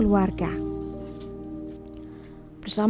menjaga kekuatan keluarga